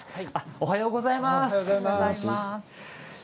おはようございます。